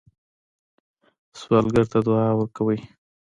سوالګر ته دعا ورکوئ